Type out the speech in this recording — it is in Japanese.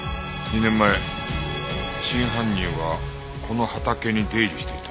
２年前真犯人はこの畑に出入りしていた。